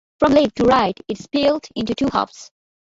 From left to right it is split into two halves.